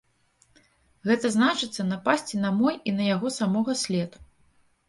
Гэта значыцца напасці на мой і на яго самога след.